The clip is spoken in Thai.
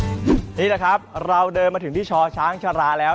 นี่แหละครับเราเดินมาถึงที่ชอช้างชะลาแล้ว